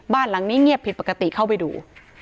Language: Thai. บ้านหลังนี้เงียบผิดปกติเข้าไปดู